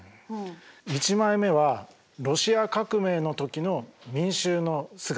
１枚目はロシア革命の時の民衆の姿。